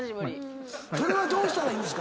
それはどうしたらいいんですか？